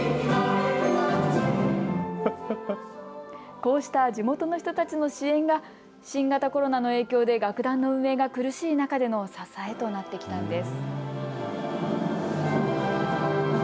こうした地元の人たちの支援が新型コロナの影響で楽団の運営が苦しい中での支えとなってきたんです。